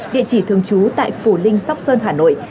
địa chỉ thường trú tại phủ linh sóc sơn hà nội